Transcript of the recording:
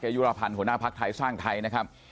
เกายุรพรรณหัวหน้าพักไทยสร้างไทยนะครับ